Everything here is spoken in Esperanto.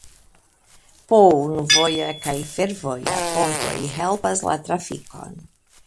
Po unu voja kaj fervoja pontoj helpas la trafikon.